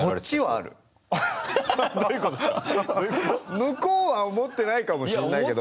向こうは思ってないかもしれないけど。